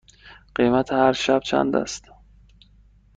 قیمت هر شب چند است؟